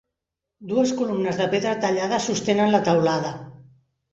Dues columnes de pedra tallada sostenen la teulada.